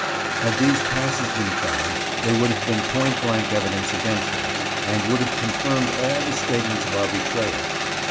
Had these passes been found, they would have been point blank evidence against us, and would have confirmed all the statements of our betrayer.